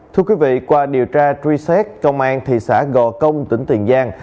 thưa quý vị qua điều tra truy xét công an thị xã gò công tỉnh tiền giang